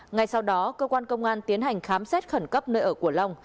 ngay sau đó công an tiến hành khám xét khẩn cấp nơi ở của long